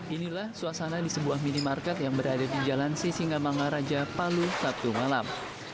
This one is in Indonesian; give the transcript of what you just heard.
inilah suasana di sebuah minimarket yang berada di jalan sisingamangaraja palu sabtu malam